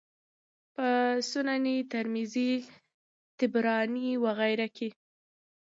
په سنن ترمذي، طبراني وغيره کي